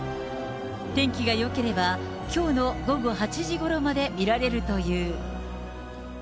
天気がよければ、きょうの午後８時ごろまで見られるという。